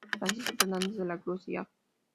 Francisco Fernández de la Cruz y Av.